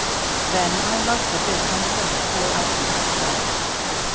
"Then I must have been uncivil for I couldn't have done it.